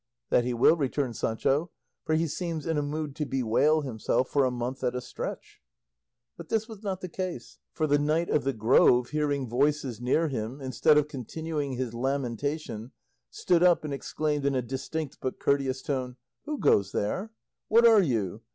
"That he will," returned Sancho, "for he seems in a mood to bewail himself for a month at a stretch." But this was not the case, for the Knight of the Grove, hearing voices near him, instead of continuing his lamentation, stood up and exclaimed in a distinct but courteous tone, "Who goes there? What are you?